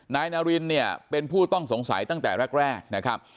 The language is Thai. นายนารินเป็นผู้ต้องสงสัยตั้งแต่แรก